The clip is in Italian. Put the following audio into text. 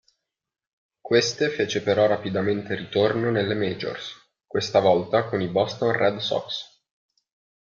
Queste fece però rapidamente ritorno nelle majors, questa volta con i Boston Red Sox.